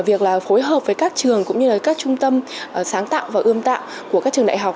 việc phối hợp với các trường cũng như là các trung tâm sáng tạo và ươm tạo của các trường đại học